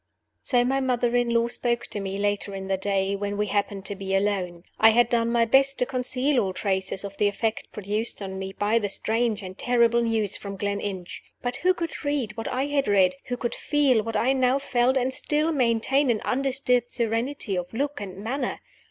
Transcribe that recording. So my mother in law spoke to me later in the day, when we happened to be alone. I had done my best to conceal all traces of the effect produced on me by the strange and terrible news from Gleninch. But who could read what I had read, who could feel what I now felt, and still maintain an undisturbed serenity of look and manner?